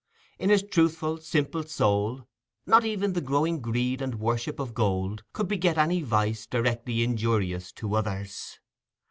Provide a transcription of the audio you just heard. In his truthful simple soul, not even the growing greed and worship of gold could beget any vice directly injurious to others.